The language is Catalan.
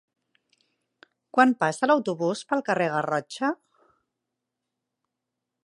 Quan passa l'autobús pel carrer Garrotxa?